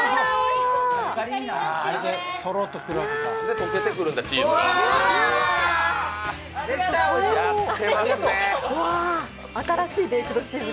溶けてくるんだ、チーズが。